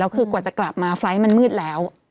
กลุ่นจะกลับมาไฟล้คมันมืดแล้ว